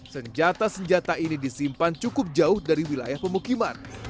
senjata senjata ini disimpan cukup jauh dari wilayah pemukiman